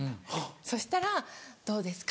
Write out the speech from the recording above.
そしたらどうですか？